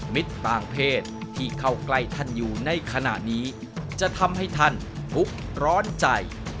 มิตรต่างเพศที่เข้าใกล้ท่านอยู่ในขณะนี้จะทำให้ท่านทุกข์ร้อนใจ